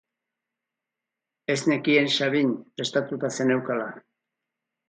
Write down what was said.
Ez nekien Sabin prestatuta zeneukala..